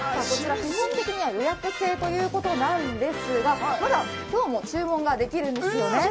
基本的には予約制ということなんですがまだ、今日も注文ができるんですよね。